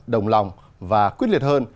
đồng lòng và quyết liệt hơn